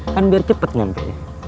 kan biar cepet ngantri